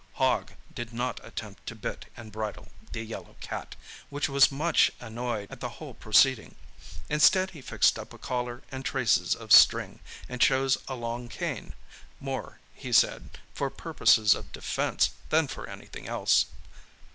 Hogg did not attempt to bit and bridle the yellow cat, which was much annoyed at the whole proceeding. Instead he fixed up a collar and traces of string, and chose a long cane, more, he said, for purposes of defence than for anything else.